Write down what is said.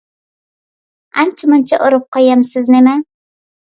ئانچە-مۇنچە ئۇرۇپ قويامسىز نېمە؟